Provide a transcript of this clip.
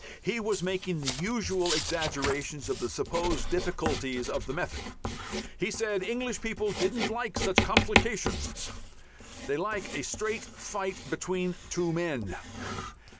He was making the usual exaggerations of the supposed difficulties of the method. He said English people didn't like such "complications." They like a "straight fight between two men."